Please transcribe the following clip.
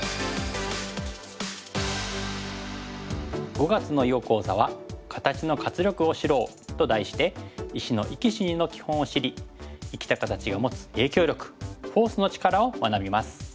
５月の囲碁講座は「形の活力を知ろう」と題して石の生き死にの基本を知り生きた形が持つ影響力フォースの力を学びます。